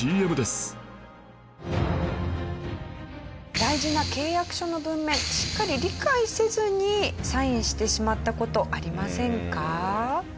大事な契約書の文面しっかり理解せずにサインしてしまった事ありませんか？